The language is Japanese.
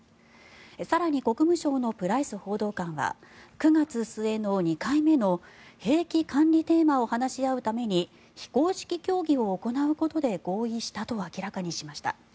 更に国務省のプライス報道官は９月末の２回目の兵器管理テーマを話し合うために非公式協議を行うことで合意したと明らかにしました。